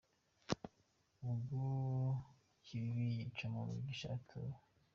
Ubwo Kibibi yica wa mubisha yatose.